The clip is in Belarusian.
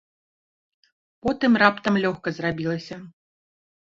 Потым раптам лёгка зрабілася.